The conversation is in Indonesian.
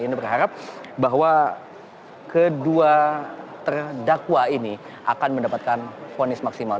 ini berharap bahwa kedua terdakwa ini akan mendapatkan ponis maksimal